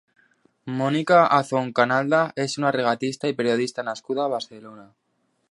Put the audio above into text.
Mónica Azón Canalda és una regatista i periodista nascuda a Barcelona.